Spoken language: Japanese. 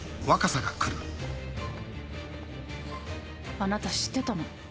あなた知ってたの？